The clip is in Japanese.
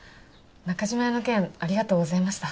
中嶌屋の件ありがとうございました